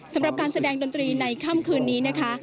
สำหรับการแสดงดนตรีในค่ำคืนนี้นะคะ